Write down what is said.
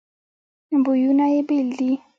بویونه یې بیل دي.